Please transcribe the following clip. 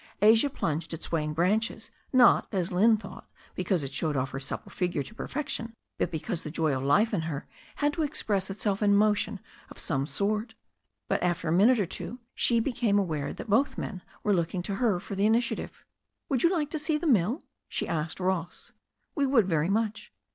Asia plunged at swaying branches, not, as Lynne thought, because it showed off her supple figure to perfection, but because the joy of life in her had to express itself in motion of some sort. But after a minute or two she became aware that both men were looking to her for the initiative. "Would you like to see the mill?" she asked Ross. "We would very much."